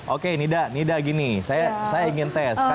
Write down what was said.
oke nida nida gini saya ingin tes